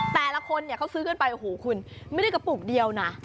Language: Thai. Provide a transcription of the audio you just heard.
แต่ละคนเนี่ยเขาซื้อกันไปโอ้โหคุณไม่ได้กระปุกเดียวนะ